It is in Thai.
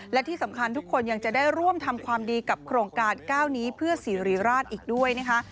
และที่สำคัญทุกคนยังจะได้ร่วมทำความดีกับโครงการ๙นี้เพื่อสิริราชอีกด้วยนะคะ